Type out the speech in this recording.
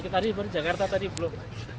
tadi sebenarnya jakarta tadi belum